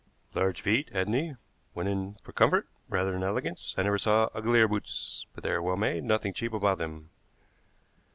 "Large feet, hadn't he? Went in for comfort rather than elegance. I never saw uglier boots. But they are well made, nothing cheap about them."